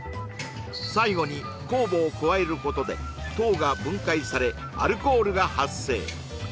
最後に酵母を加えることで糖が分解されアルコールが発生